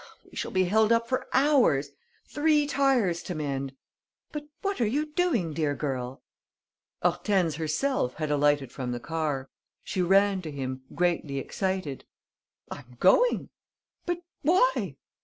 We shall be held up for hours! Three tires to mend!... But what are you doing, dear girl?" Hortense herself had alighted from the car. She ran to him, greatly excited: "I'm going." "But why?"